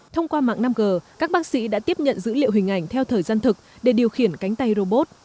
thông qua mạng năm g các bác sĩ đã tiếp nhận dữ liệu hình ảnh theo thời gian thực để điều khiển cánh tay robot